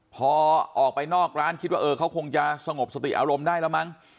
พอออกไปนอกร้านคิดว่าเออเขาคงจะสงบสติอารมณ์ได้แล้วมั้ง